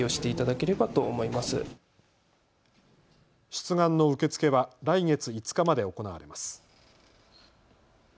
出願の受け付けは来月５日まで行われます。